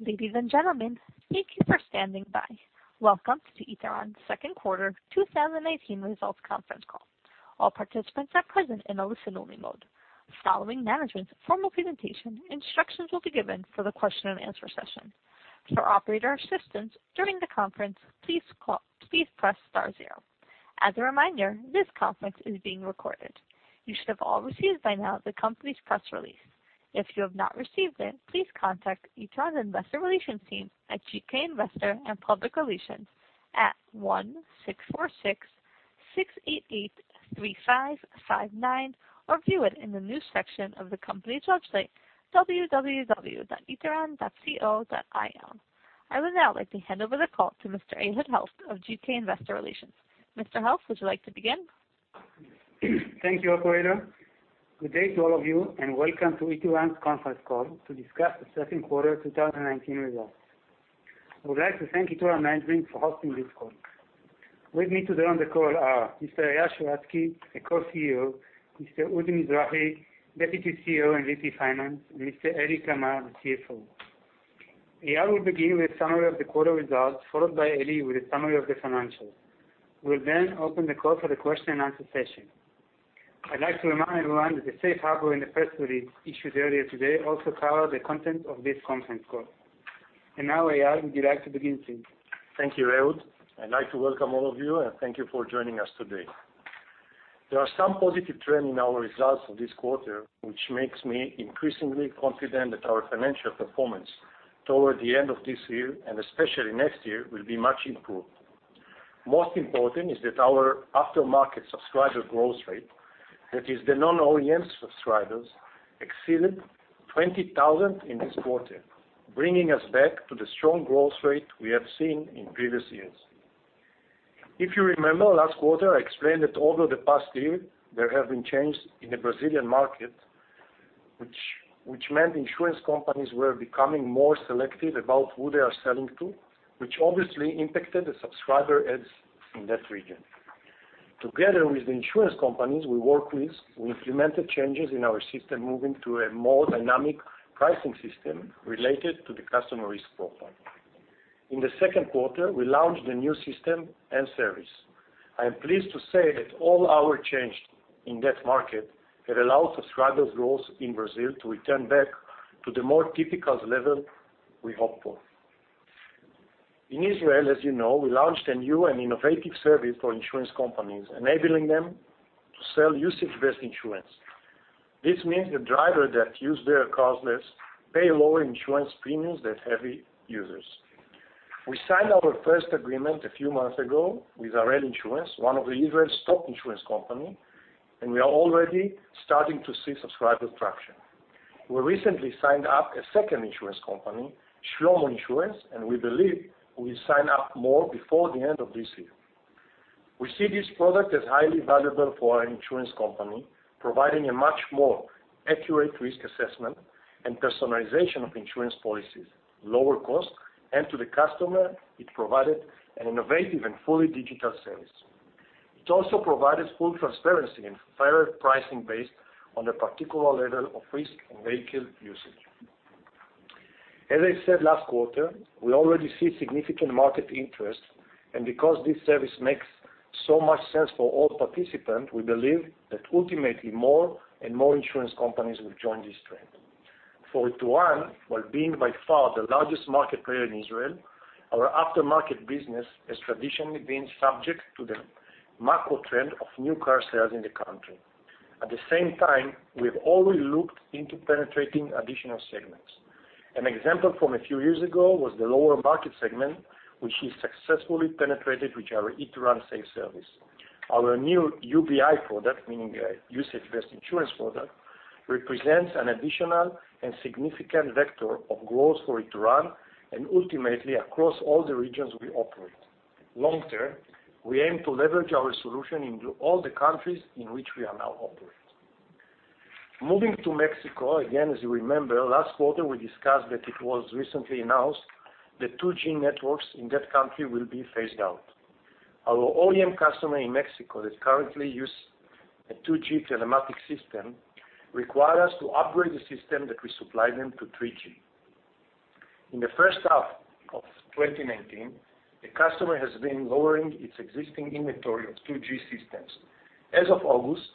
Ladies and gentlemen, thank you for standing by. Welcome to Ituran second quarter 2019 results conference call. All participants are present in a listen only mode. Following management's formal presentation, instructions will be given for the question and answer session. For operator assistance during the conference, please press star zero. As a reminder, this conference is being recorded. You should have all received by now the company's press release. If you have not received it, please contact Ituran Investor Relations team at GK Investor Relations at 1646-688-3559 or view it in the news section of the company's website, www.ituran.co.il. I would now like to hand over the call to Mr. Ehud Helft of GK Investor Relations. Mr. Helft, would you like to begin? Thank you, operator. Good day to all of you. Welcome to Ituran's conference call to discuss the second quarter 2019 results. I would like to thank Ituran management for hosting this call. With me today on the call are Mr. Eyal Sheratzky, a Co-CEO, Mr. Udi Mizrahi, Deputy CEO and VP Finance, and Mr. Eli Kamer, the CFO. Eyal will begin with a summary of the quarter results, followed by Eli with a summary of the financials. We'll open the call for the question and answer session. I'd like to remind everyone that the safe harbor in the press release issued earlier today also cover the content of this conference call. Now, Eyal, would you like to begin, please? Thank you, Ehud. I'd like to welcome all of you, and thank you for joining us today. There are some positive trend in our results for this quarter, which makes me increasingly confident that our financial performance toward the end of this year and especially next year, will be much improved. Most important is that our aftermarket subscriber growth rate, that is the non-OEM subscribers, exceeded 20,000 in this quarter, bringing us back to the strong growth rate we have seen in previous years. If you remember last quarter, I explained that over the past year, there have been changes in the Brazilian market, which meant insurance companies were becoming more selective about who they are selling to, which obviously impacted the subscriber adds in that region. Together with the insurance companies we work with, we implemented changes in our system, moving to a more dynamic pricing system related to the customer risk profile. In the second quarter, we launched the new system and service. I am pleased to say that all our change in that market have allowed subscriber growth in Brazil to return back to the more typical level we hope for. In Israel, as you know, we launched a new and innovative service for insurance companies, enabling them to sell usage-based insurance. This means the driver that use their cars less pay lower insurance premiums than heavy users. We signed our first agreement a few months ago with Harel Insurance, one of Israel's top insurance company, and we are already starting to see subscriber traction. We recently signed up a second insurance company, Shlomo Insurance. We believe we sign up more before the end of this year. We see this product as highly valuable for our insurance company, providing a much more accurate risk assessment and personalization of insurance policies, lower cost, and to the customer, it provided an innovative and fully digital service. It also provided full transparency and fair pricing based on the particular level of risk and vehicle usage. As I said last quarter, we already see significant market interest. Because this service makes so much sense for all participants, we believe that ultimately more and more insurance companies will join this trend. For Ituran, while being by far the largest market player in Israel, our aftermarket business has traditionally been subject to the macro trend of new car sales in the country. At the same time, we've always looked into penetrating additional segments. An example from a few years ago was the lower market segment, which we successfully penetrated with our Ituran Safe service. Our new UBI product, meaning a usage-based insurance product, represents an additional and significant vector of growth for Ituran and ultimately across all the regions we operate. Long term, we aim to leverage our solution into all the countries in which we are now operating. Moving to Mexico, again, as you remember, last quarter we discussed that it was recently announced that 2G networks in that country will be phased out. Our OEM customer in Mexico that currently use a 2G telematics system require us to upgrade the system that we supply them to 3G. In the first half of 2019, the customer has been lowering its existing inventory of 2G systems. As of August,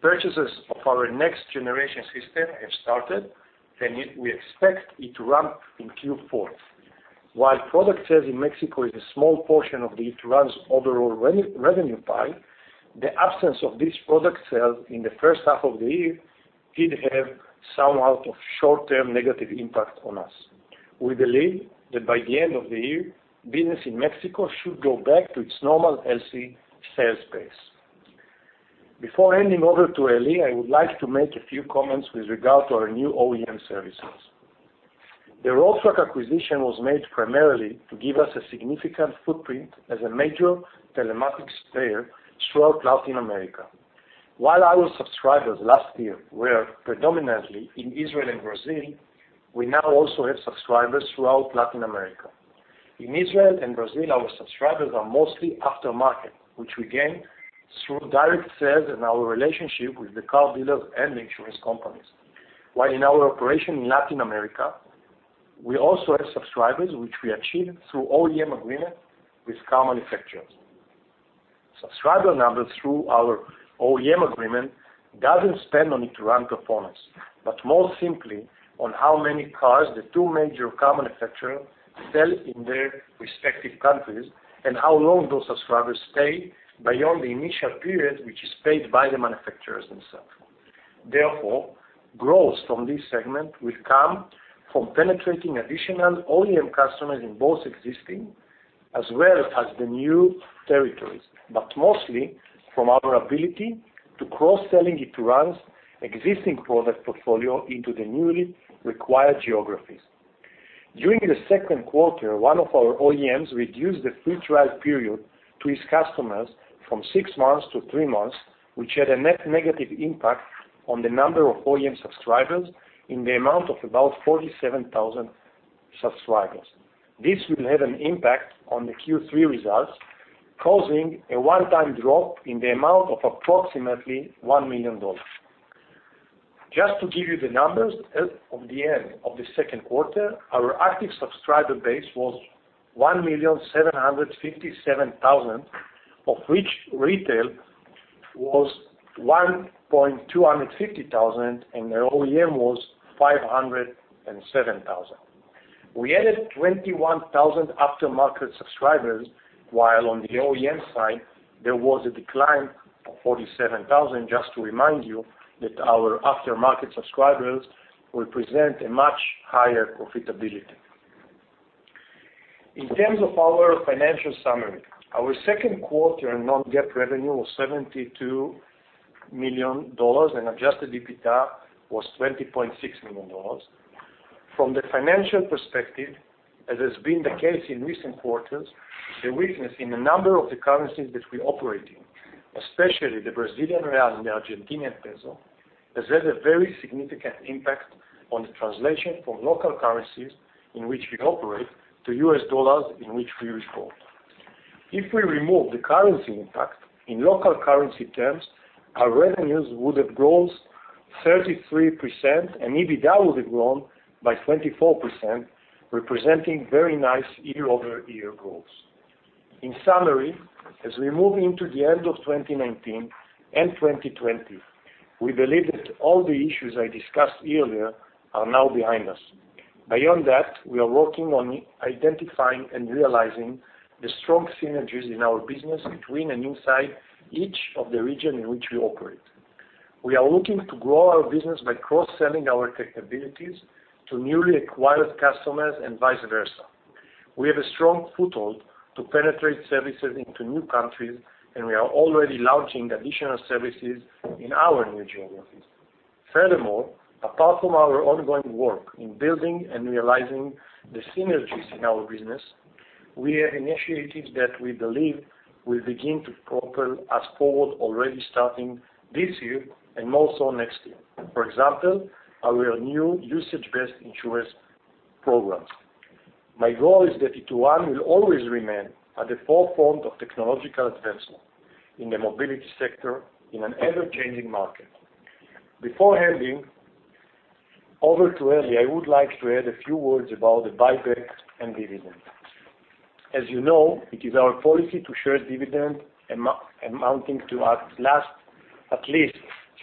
purchases of our next generation system have started, and we expect it to ramp in Q4. While product sales in Mexico is a small portion of Ituran's overall revenue pie, the absence of this product sale in the first half of the year did have somewhat of short-term negative impact on us. We believe that by the end of the year, business in Mexico should go back to its normal healthy sales pace. Before handing over to Eli, I would like to make a few comments with regard to our new OEM services. The Road Track acquisition was made primarily to give us a significant footprint as a major telematics player throughout Latin America. While our subscribers last year were predominantly in Israel and Brazil, we now also have subscribers throughout Latin America. In Israel and Brazil, our subscribers are mostly aftermarket, which we gain through direct sales and our relationship with the car dealers and the insurance companies. While in our operation in Latin America, we also have subscribers, which we achieve through OEM agreement with car manufacturers. Subscriber numbers through our OEM agreement doesn't stand on Ituran performance, but more simply on how many cars the two major car manufacturer sell in their respective countries and how long those subscribers stay beyond the initial period, which is paid by the manufacturers themselves. Therefore, growth from this segment will come from penetrating additional OEM customers in both existing as well as the new territories, but mostly from our ability to cross-selling Ituran's existing product portfolio into the newly acquired geographies. During the second quarter, one of our OEMs reduced the free trial period to its customers from 6 months to 3 months, which had a net negative impact on the number of OEM subscribers in the amount of approximately 47,000 subscribers. This will have an impact on the Q3 results, causing a one-time drop in the amount of approximately $1 million. Just to give you the numbers, as of the end of the second quarter, our active subscriber base was 1,757,000, of which retail was 1,250,000, and the OEM was 507,000. We added 21,000 aftermarket subscribers, while on the OEM side, there was a decline of 47,000, just to remind you that our aftermarket subscribers will present a much higher profitability. In terms of our financial summary, our second quarter non-GAAP revenue was $72 million, and adjusted EBITDA was $20.6 million. From the financial perspective, as has been the case in recent quarters, the weakness in a number of the currencies which we operate in, especially the Brazilian real and the Argentinian peso, has had a very significant impact on the translation from local currencies in which we operate to US dollars in which we report. If we remove the currency impact, in local currency terms, our revenues would have grown 33%, and EBITDA would have grown by 24%, representing very nice year-over-year growth. In summary, as we move into the end of 2019 and 2020, we believe that all the issues I discussed earlier are now behind us. Beyond that, we are working on identifying and realizing the strong synergies in our business between and inside each of the region in which we operate. We are looking to grow our business by cross-selling our capabilities to newly acquired customers and vice versa. We have a strong foothold to penetrate services into new countries, and we are already launching additional services in our new geographies. Apart from our ongoing work in building and realizing the synergies in our business, we have initiatives that we believe will begin to propel us forward already starting this year and more so next year. For example, our new usage-based insurance programs. My goal is that Ituran will always remain at the forefront of technological advancement in the mobility sector in an ever-changing market. Before handing over to Eli, I would like to add a few words about the buyback and dividend. As you know, it is our policy to share dividend amounting to at least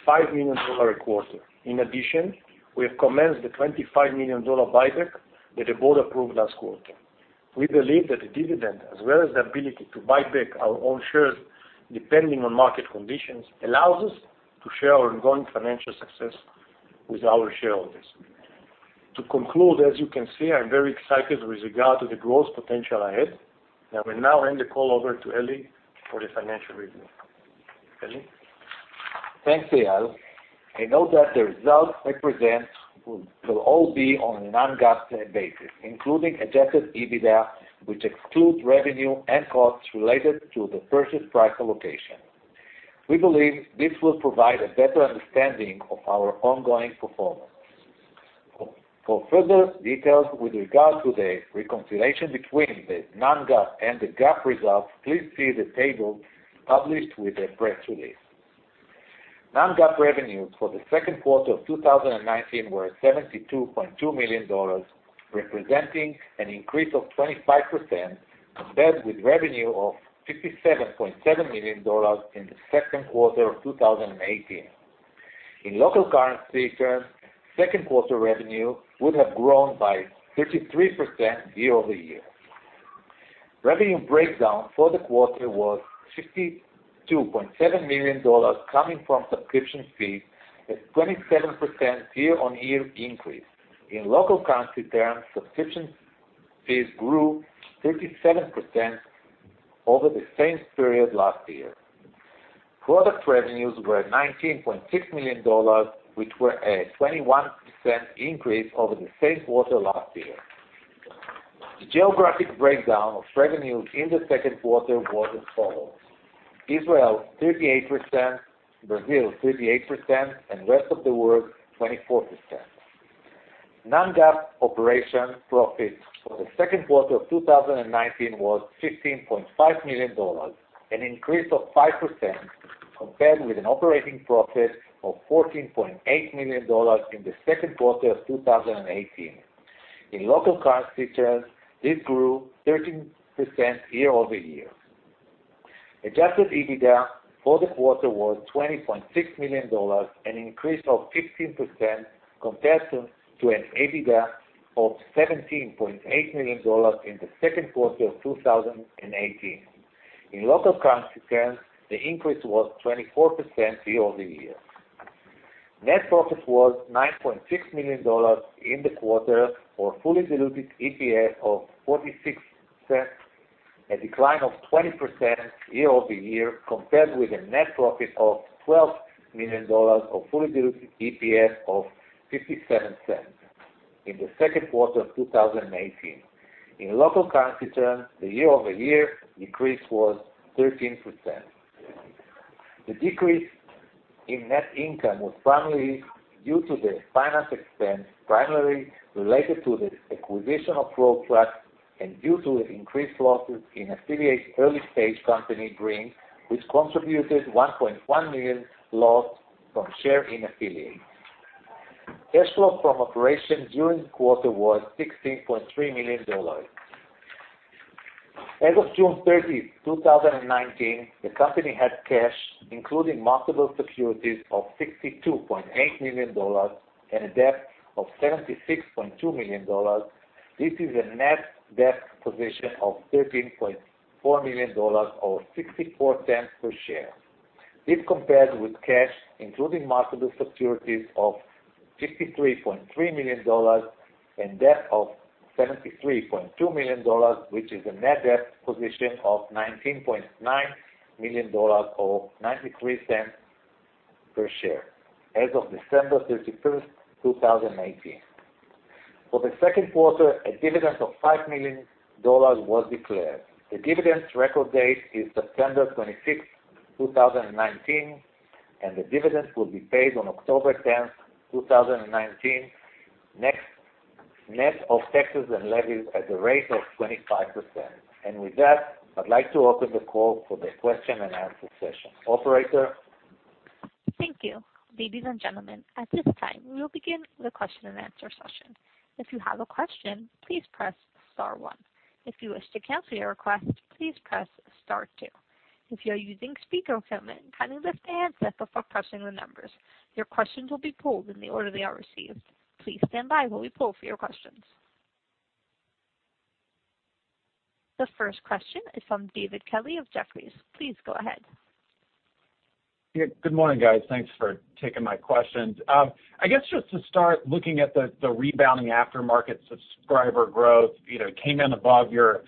$5 million a quarter. In addition, we have commenced the $25 million buyback that the board approved last quarter. We believe that the dividend, as well as the ability to buy back our own shares, depending on market conditions, allows us to share our ongoing financial success with our shareholders. To conclude, as you can see, I'm very excited with regard to the growth potential ahead. I will now hand the call over to Eli for the financial review. Eli? Thanks, Eyal. I note that the results I present will all be on a non-GAAP basis, including adjusted EBITDA, which excludes revenue and costs related to the purchase price allocation. We believe this will provide a better understanding of our ongoing performance. For further details with regard to the reconciliation between the non-GAAP and the GAAP results, please see the table published with the press release. Non-GAAP revenues for the second quarter of 2019 were $72.2 million, representing an increase of 25%, compared with revenue of $57.7 million in the second quarter of 2018. In local currency terms, second quarter revenue would have grown by 33% year-over-year. Revenue breakdown for the quarter was $52.7 million, coming from subscription fees, a 27% year-on-year increase. In local currency terms, subscription fees grew 37% over the same period last year. Product revenues were $19.6 million, which were a 21% increase over the same quarter last year. The geographic breakdown of revenues in the second quarter was as follows. Israel 38%, Brazil 38%, and rest of the world 24%. Non-GAAP operating profit for the second quarter of 2019 was $15.5 million, an increase of 5%, compared with an operating profit of $14.8 million in the second quarter of 2018. In local currency terms, this grew 13% year-over-year. Adjusted EBITDA for the quarter was $20.6 million, an increase of 15% compared to an EBITDA of $17.8 million in the second quarter of 2018. In local currency terms, the increase was 24% year-over-year. Net profit was $9.6 million in the quarter, or fully diluted EPS of $0.46, a decline of 20% year-over-year compared with a net profit of $12 million or fully diluted EPS of $0.57 in the second quarter of 2018. In local currency terms, the year-over-year decrease was 13%. The decrease in net income was primarily due to the finance expense, primarily related to the acquisition of Road Track, and due to the increased losses in affiliates early-stage company GreenRoad, which contributed $1.1 million loss from share in affiliates. Cash flow from operations during the quarter was $16.3 million. As of June 30, 2019, the company had cash, including marketable securities, of $62.8 million and a debt of $76.2 million. This is a net debt position of $13.4 million, or $0.64 per share. This compares with cash, including marketable securities of $53.3 million and debt of $73.2 million, which is a net debt position of $19.9 million, or $0.93 per share as of December 31st, 2018. For the second quarter, a dividend of $5 million was declared. The dividend record date is September 26th, 2019, and the dividend will be paid on October 10th, 2019, net of taxes and levies at the rate of 25%. With that, I'd like to open the call for the question-and-answer session. Operator? Thank you. Ladies and gentlemen, at this time, we will begin the question-and-answer session. If you have a question, please press *1. If you wish to cancel your request, please press *2. If you are using speakerphone, kindly lift the handset before pressing the numbers. Your questions will be polled in the order they are received. Please stand by while we poll for your questions. The first question is from David Katz of Jefferies. Please go ahead. Yeah. Good morning, guys. Thanks for taking my questions. I guess just to start, looking at the rebounding after-market subscriber growth, it came in above your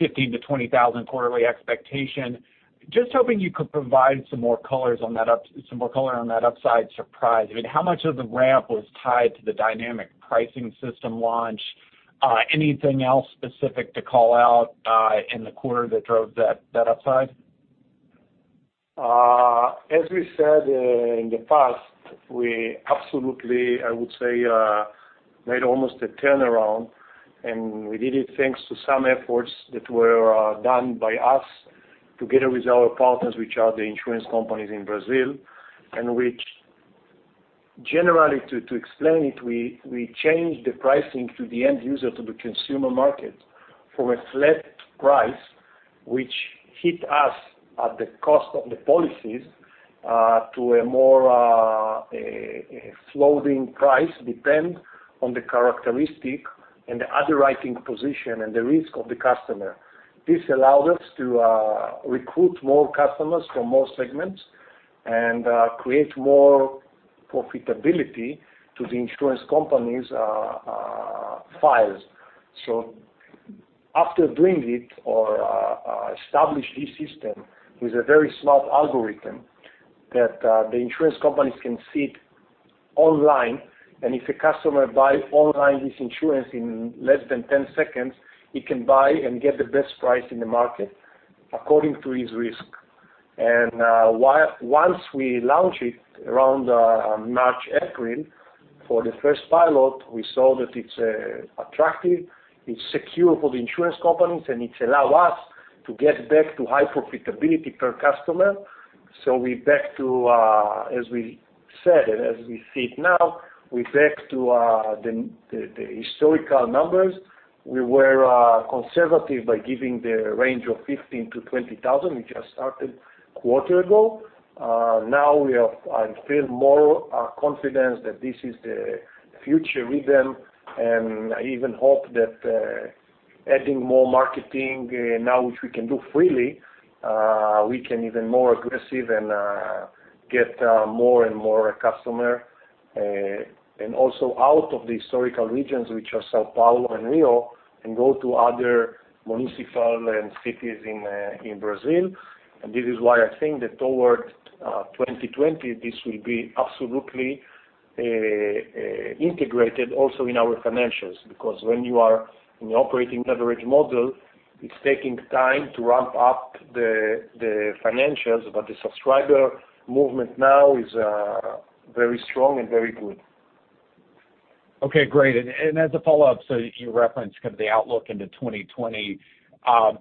15,000-20,000 quarterly expectation. Just hoping you could provide some more color on that upside surprise. How much of the ramp was tied to the dynamic pricing system launch? Anything else specific to call out in the quarter that drove that upside? As we said in the past, we absolutely, I would say, made almost a turnaround, and we did it thanks to some efforts that were done by us together with our partners, which are the insurance companies in Brazil, and which generally, to explain it, we changed the pricing to the end user, to the consumer market, from a flat price, which hit us at the cost of the policies, to a more floating price, depend on the characteristic and the other underwriting position and the risk of the customer. This allowed us to recruit more customers from more segments and create more profitability to the insurance companies' files. After doing it or establish this system with a very smart algorithm that the insurance companies can see it online, and if a customer buy online this insurance in less than 10 seconds, he can buy and get the best price in the market according to his risk. Once we launch it around March, April, for the first pilot, we saw that it's attractive, it's secure for the insurance companies, and it allow us to get back to high profitability per customer. We back to, as we said, and as we see it now, we back to the historical numbers. We were conservative by giving the range of 15,000 to 20,000. We just started a quarter ago. Now I feel more confidence that this is the future rhythm, and I even hope that adding more marketing now, which we can do freely, we can be even more aggressive and get more and more customer, and also out of the historical regions, which are São Paulo and Rio, and go to other municipal and cities in Brazil. This is why I think that toward 2020, this will be absolutely. Integrated also in our financials, because when you are in the operating leverage model, it's taking time to ramp up the financials, but the subscriber movement now is very strong and very good. Okay, great. As a follow-up, you referenced kind of the outlook into 2020.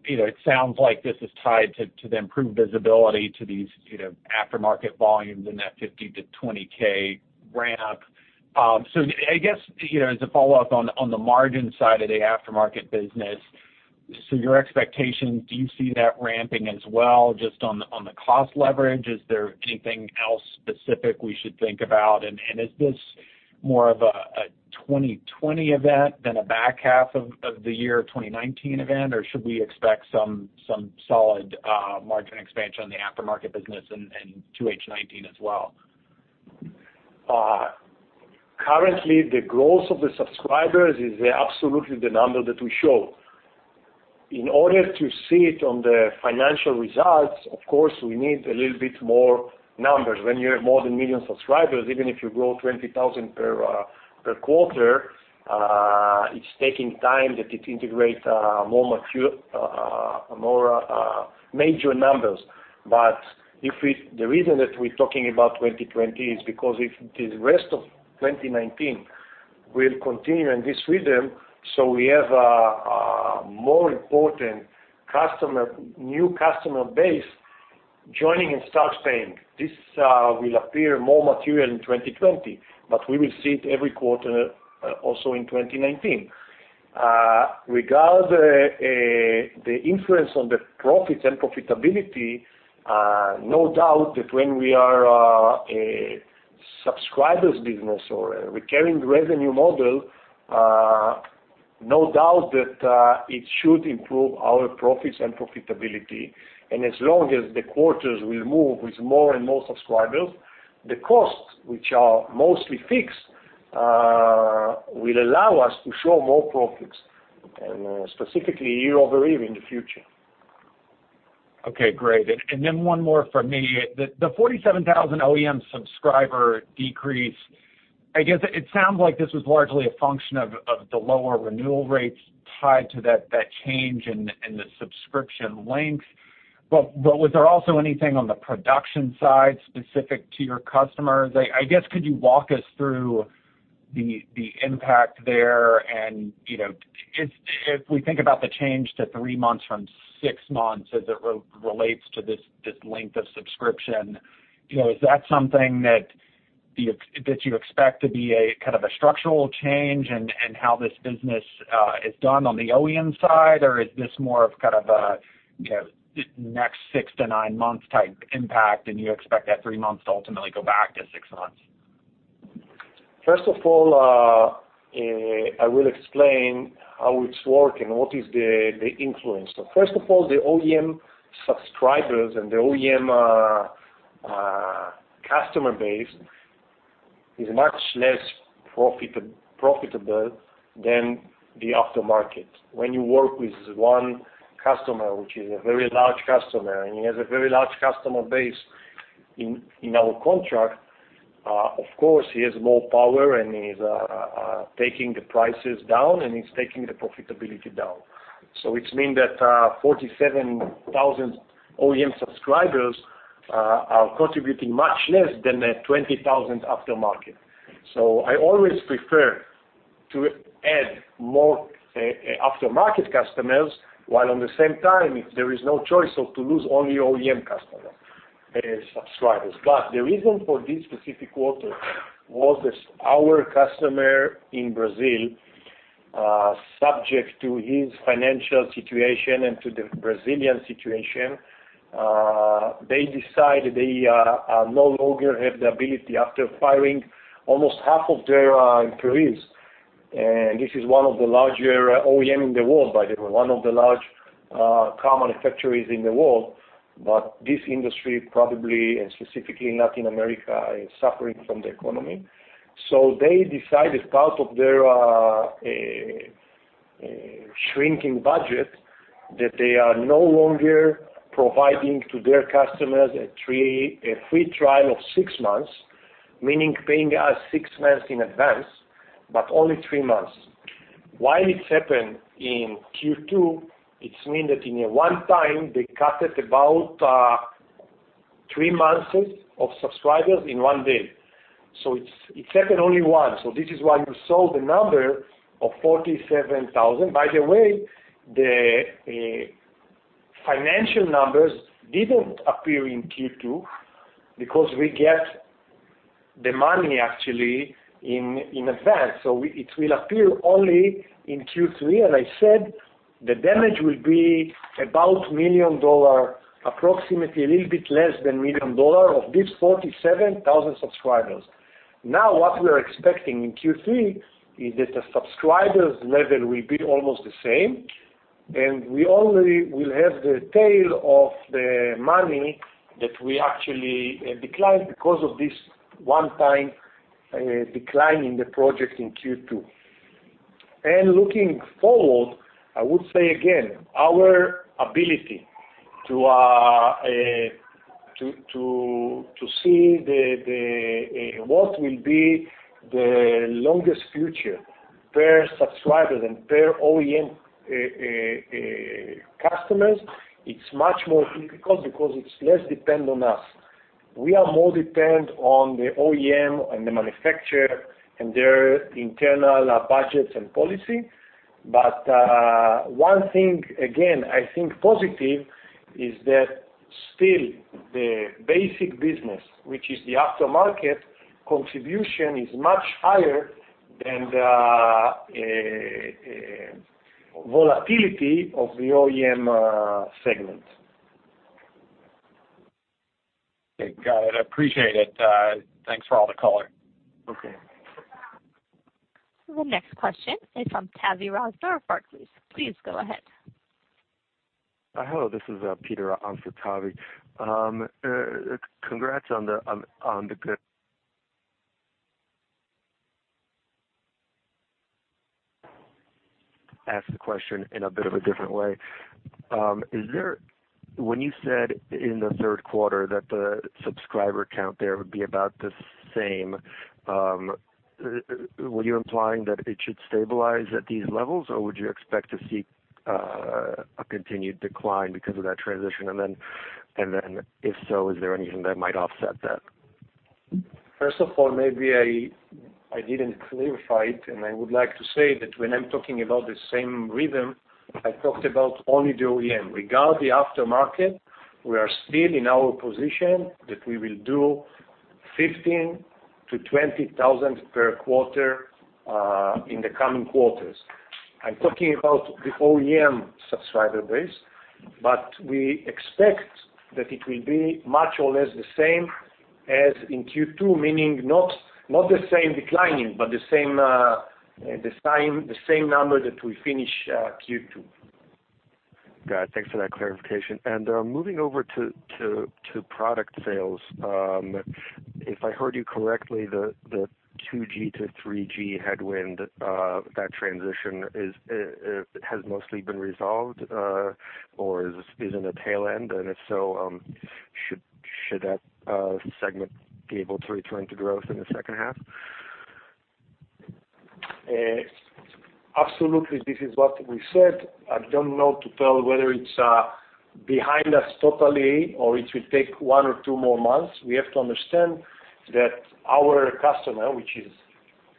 It sounds like this is tied to the improved visibility to these aftermarket volumes in that 15K to 20K ramp. I guess, as a follow-up on the margin side of the aftermarket business, your expectation, do you see that ramping as well, just on the cost leverage? Is there anything else specific we should think about? Is this more of a 2020 event than a back half of the year 2019 event, or should we expect some solid margin expansion on the aftermarket business in 2H '19 as well? Currently, the growth of the subscribers is absolutely the number that we show. In order to see it on the financial results, of course, we need a little bit more numbers. When you have more than a million subscribers, even if you grow 20,000 per quarter, it's taking time that it integrates more major numbers. The reason that we're talking about 2020 is because if the rest of 2019 will continue in this rhythm, so we have a more important new customer base joining and start paying. This will appear more material in 2020, but we will see it every quarter also in 2019. Regarding the influence on the profits and profitability, no doubt that when we are a subscribers business or a recurring revenue model, no doubt that it should improve our profits and profitability. As long as the quarters will move with more and more subscribers, the costs, which are mostly fixed, will allow us to show more profits, and specifically year-over-year in the future. Okay, great. One more from me. The 47,000 OEM subscriber decrease, I guess it sounds like this was largely a function of the lower renewal rates tied to that change in the subscription length. Was there also anything on the production side specific to your customers? I guess, could you walk us through the impact there and, if we think about the change to three months from six months as it relates to this length of subscription, is that something that you expect to be a kind of a structural change in how this business is done on the OEM side? Is this more of kind of a next six to nine-month type impact, and you expect that three months to ultimately go back to six months? First of all, I will explain how it's working, what is the influence. First of all, the OEM subscribers and the OEM customer base is much less profitable than the aftermarket. When you work with one customer, which is a very large customer, and he has a very large customer base in our contract, of course, he has more power, and he's taking the prices down, and he's taking the profitability down. It means that 47,000 OEM subscribers are contributing much less than the 20,000 aftermarket. I always prefer to add more aftermarket customers, while at the same time, if there is no choice of to lose only OEM customer subscribers. The reason for this specific quarter was that our customer in Brazil, subject to his financial situation and to the Brazilian situation, they decided they no longer have the ability after firing almost half of their employees. This is one of the larger OEM in the world, by the way, one of the large car manufacturers in the world. This industry, probably, and specifically Latin America, is suffering from the economy. They decided as part of their shrinking budget that they are no longer providing to their customers a free trial of six months, meaning paying us six months in advance, but only three months. Why it happened in Q2, it means that in one time, they cut about three months of subscribers in one day. It happened only once. This is why you saw the number of 47,000. By the way, the financial numbers didn't appear in Q2 because we get the money actually in advance. It will appear only in Q3, and I said, the damage will be about $1 million, approximately a little bit less than $1 million of these 47,000 subscribers. What we are expecting in Q3 is that the subscribers level will be almost the same, and we only will have the tail of the money that we actually declined because of this one-time decline in the project in Q2. Looking forward, I would say again, our ability to see what will be the longest future per subscribers and per OEM customers, it's much more difficult because it's less dependent on us. We are more dependent on the OEM and the manufacturer, and their internal budgets and policy. One thing, again, I think positive is that still the basic business, which is the aftermarket contribution, is much higher than the volatility of the OEM segment. Okay, got it. Appreciate it. Thanks for all the color. Okay. The next question is from Tavy Rosner of Barclays. Please go ahead. Hello, this is Peter. I'm for Tavy. Congrats on the good. Ask the question in a bit of a different way. When you said in the third quarter that the subscriber count there would be about the same, were you implying that it should stabilize at these levels, or would you expect to see a continued decline because of that transition? If so, is there anything that might offset that? First of all, maybe I didn't clarify it. I would like to say that when I'm talking about the same rhythm, I talked about only the OEM. Regarding the aftermarket, we are still in our position that we will do 15,000 to 20,000 per quarter in the coming quarters. I'm talking about the OEM subscriber base. We expect that it will be much or less the same as in Q2, meaning not the same declining, but the same number that we finish Q2. Got it. Thanks for that clarification. Moving over to product sales, if I heard you correctly, the 2G to 3G headwind, that transition has mostly been resolved or is in a tail end, and if so, should that segment be able to return to growth in the second half? Absolutely. This is what we said. I don't know to tell whether it's behind us totally or it will take one or two more months. We have to understand that our customer, which is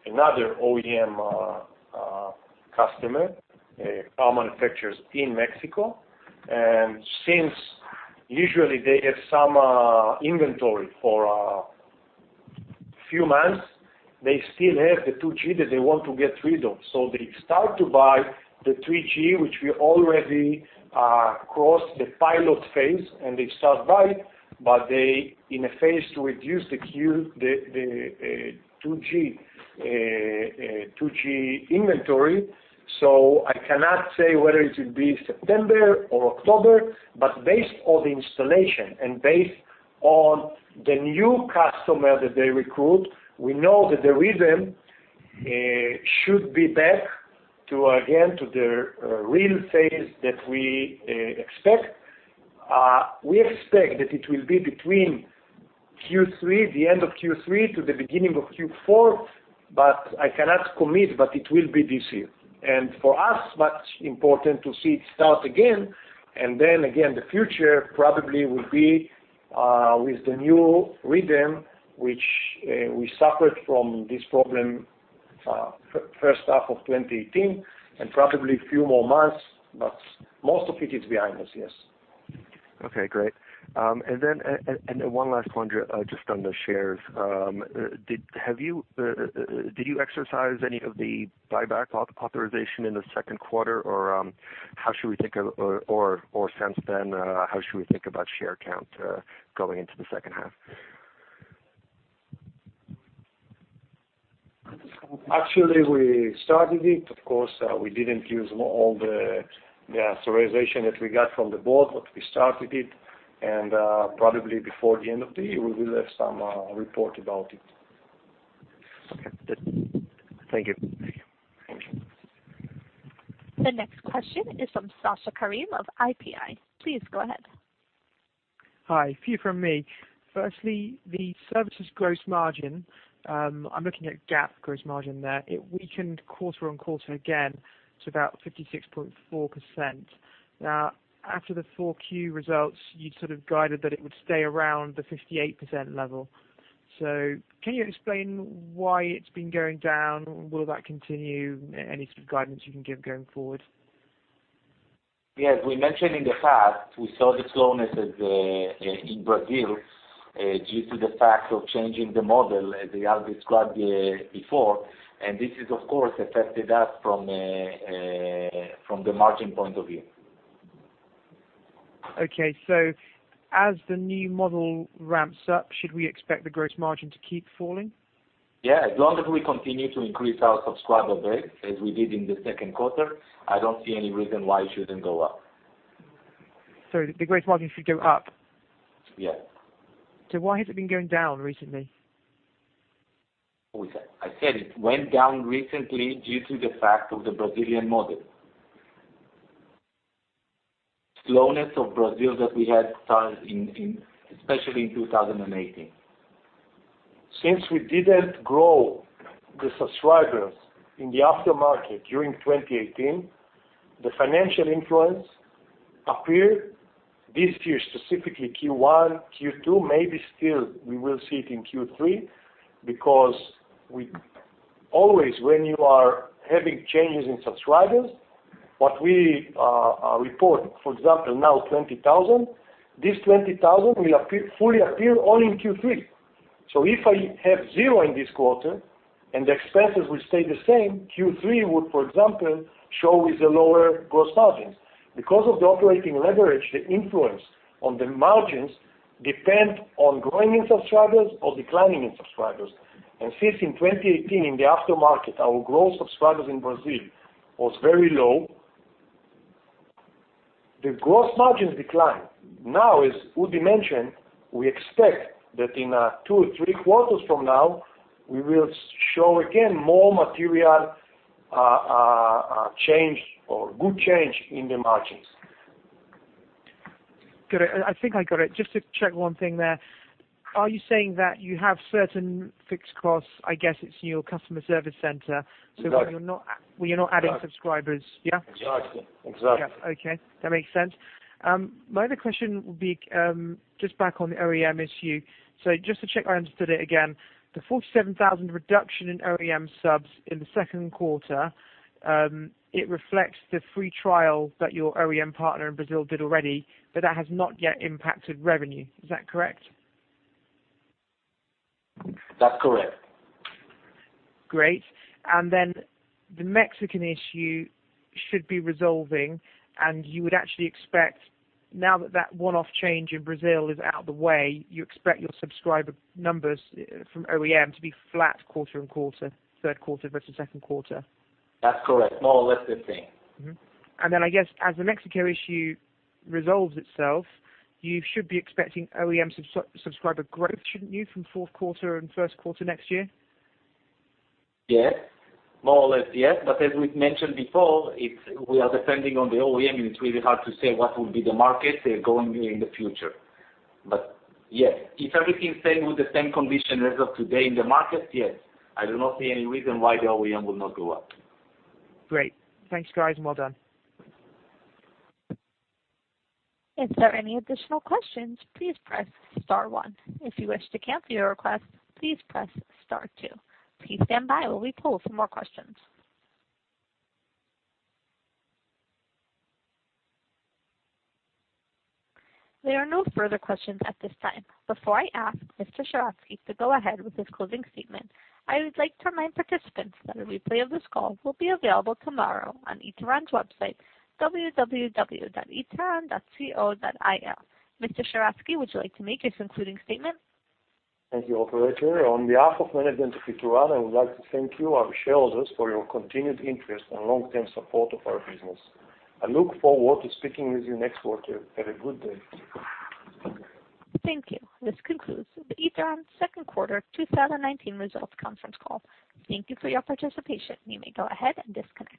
another OEM customer, car manufacturers in Mexico, and since usually they have some inventory for a few months, they still have the 2G that they want to get rid of. They start to buy the 3G, which we already crossed the pilot phase, and they start buying, but they in a phase to reduce the 2G inventory. I cannot say whether it will be September or October, but based on the installation and based on the new customer that they recruit, we know that the rhythm should be back to, again, to the real phase that we expect. We expect that it will be between Q3, the end of Q3 to the beginning of Q4, but I cannot commit, but it will be this year. For us, much important to see it start again, and then again, the future probably will be with the new rhythm, which we suffered from this problem first half of 2019 and probably a few more months, but most of it is behind us, yes. Okay, great. One last one just on the shares. Did you exercise any of the buyback authorization in the second quarter, or since then, how should we think about share count going into the second half? Actually, we started it. Of course, we didn't use all the authorization that we got from the board, but we started it, and probably before the end of the year, we will have some report about it. Okay. Thank you. Thank you. The next question is from Sacha Karim of IPI. Please go ahead. Hi. Few from me. Firstly, the services gross margin, I'm looking at GAAP gross margin there. It weakened quarter-on-quarter again to about 56.4%. Now, after the 4Q results, you sort of guided that it would stay around the 58% level. Can you explain why it's been going down? Will that continue? Any sort of guidance you can give going forward? Yes. We mentioned in the past, we saw the slowness in Brazil due to the fact of changing the model, as Eyal described before, and this is, of course, affected us from the margin point of view. Okay. As the new model ramps up, should we expect the gross margin to keep falling? Yeah, as long as we continue to increase our subscriber base as we did in the second quarter, I don't see any reason why it shouldn't go up. The gross margin should go up? Yes. Why has it been going down recently? I said it went down recently due to the fact of the Brazilian model. Slowness of Brazil that we had started, especially in 2018. Since we didn't grow the subscribers in the aftermarket during 2018, the financial influence appeared this year, specifically Q1, Q2, maybe still we will see it in Q3, because always, when you are having changes in subscribers, what we report, for example, now 20,000, this 20,000 will fully appear only in Q3. If I have zero in this quarter and the expenses will stay the same, Q3 would, for example, show with the lower gross margins. Because of the operating leverage, the influence on the margins depend on growing in subscribers or declining in subscribers. Since in 2018, in the aftermarket, our growth subscribers in Brazil was very low, the gross margins declined. As Udi mentioned, we expect that in two or three quarters from now, we will show again more material change or good change in the margins. Good. I think I got it. Just to check one thing there. Are you saying that you have certain fixed costs, I guess it's your customer service center? Right When you're not adding subscribers, yeah? Exactly. Yeah. Okay. That makes sense. My other question would be, just back on the OEM issue. Just to check I understood it again, the 47,000 reduction in OEM subs in the second quarter, it reflects the free trial that your OEM partner in Brazil did already, but that has not yet impacted revenue. Is that correct? That's correct. Great. The Mexican issue should be resolving, and you would actually expect, now that that one-off change in Brazil is out of the way, you expect your subscriber numbers from OEM to be flat quarter and quarter, third quarter versus second quarter. That's correct. More or less the same. Then I guess as the Mexico issue resolves itself, you should be expecting OEM subscriber growth, shouldn't you, from fourth quarter and first quarter next year? Yes. More or less, yes. As we've mentioned before, we are depending on the OEM, it's really hard to say what will be the market going in the future. Yes, if everything stay with the same condition as of today in the market, yes. I do not see any reason why the OEM will not go up. Great. Thanks, guys, and well done. If there are any additional questions, please press star one. If you wish to cancel your request, please press star two. Please stand by while we pull for more questions. There are no further questions at this time. Before I ask Mr. Sheratzky to go ahead with his closing statement, I would like to remind participants that a replay of this call will be available tomorrow on Ituran's website, www.ituran.co.il. Mr. Sheratzky, would you like to make your concluding statement? Thank you, operator. On behalf of management of Ituran, I would like to thank you, our shareholders, for your continued interest and long-term support of our business. I look forward to speaking with you next quarter. Have a good day. Thank you. This concludes the Ituran second quarter 2019 results conference call. Thank you for your participation. You may go ahead and disconnect.